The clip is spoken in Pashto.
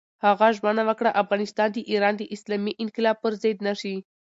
هغه ژمنه وکړه، افغانستان د ایران د اسلامي انقلاب پر ضد نه شي.